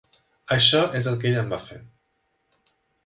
Això és el que ella em va fer.